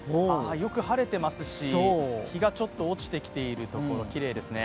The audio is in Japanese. よく晴れていますし、日がちょっと落ちてきているところ、きれいですね。